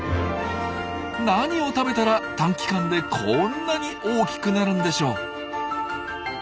何を食べたら短期間でこんなに大きくなるんでしょう？